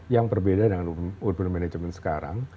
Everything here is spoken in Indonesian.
yang berbeda dengan urban management sekarang